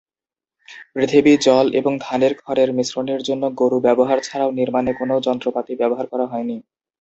পৃথিবী, জল এবং ধানের খড়ের মিশ্রণের জন্য গরু ব্যবহার ছাড়াও নির্মাণে কোনও যন্ত্রপাতি ব্যবহার করা হয়নি।